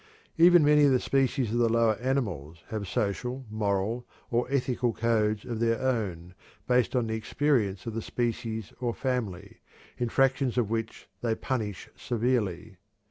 Even many of the species of the lower animals have social, moral, or ethical codes of their own, based on the experience of the species or family, infractions of which they punish severely.